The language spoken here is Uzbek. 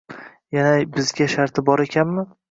Yana bizga sharti bor ekanmi?